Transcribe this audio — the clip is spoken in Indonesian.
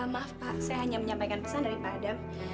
maaf pak saya hanya menyampaikan pesan dari pak adam